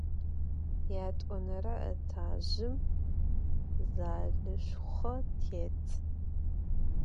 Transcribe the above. Yat'onere etajjım zalışşxo têt.